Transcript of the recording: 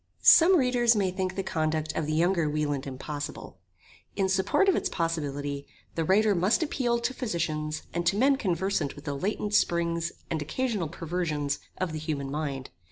Some readers may think the conduct of the younger Wieland impossible. In support of its possibility the Writer must appeal to Physicians and to men conversant with the latent springs and occasional perversions of the human mind.